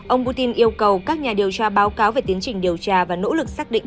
ông putin yêu cầu các nhà điều tra báo cáo về tiến trình điều tra và nỗ lực xác định